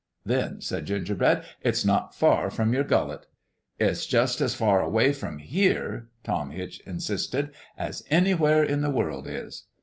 11 Then," said Gingerbread, " it's not far from your gullet." " It's jus 1 as far away from here," Tom Hitch insisted, " as anywhere in the world is."